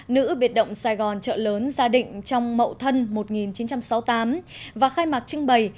nữ biệt động sài gòn trợ lớn gia định trong mậu thân một nghìn chín trăm sáu mươi tám và khai mạc trưng bày